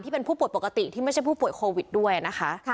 เป็นผู้ป่วยปกติที่ไม่ใช่ผู้ป่วยโควิดด้วยนะคะ